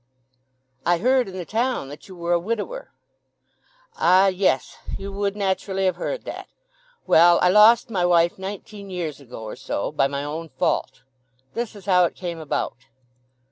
"I heard in the town that you were a widower." "Ah, yes—you would naturally have heard that. Well, I lost my wife nineteen years ago or so—by my own fault.... This is how it came about.